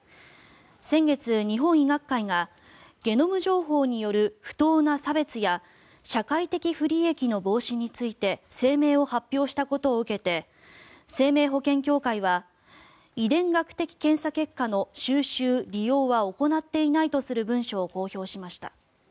先月、日本医学会がゲノム情報による不当な差別や社会的不利益の防止について声明を発表したことを受けて生命保険協会は遺伝学的検査結果の収集・利用は行っていないとする文書を公表しました。